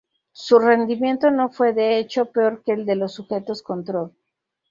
Su rendimiento no fue, de hecho, peor que el de los sujetos control.